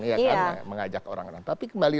ya karena mengajak orang orang tapi kembali